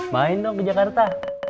main dong ke jakarta